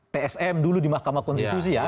tsm dulu di mahkamah konstitusi ya